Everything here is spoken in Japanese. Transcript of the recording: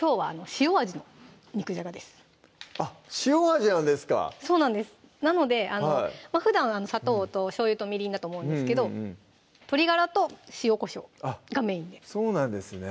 塩味なんですかそうなんですなのでふだん砂糖とおしょうゆとみりんだと思うんですけど鶏ガラと塩・こしょうがメインでそうなんですね